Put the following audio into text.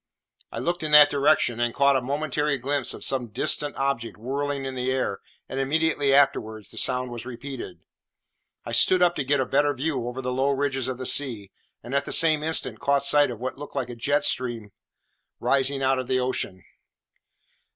I looked in that direction, and caught a momentary glimpse of some distant object whirling in the air, and immediately afterwards the sound was repeated. I stood up to get a better view over the low ridges of the sea, and at the same instant caught sight of what looked like a jet of steam rising out of the ocean.